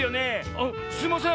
「あっすいません